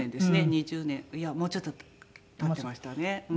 ２０年いやもうちょっと経ってましたね。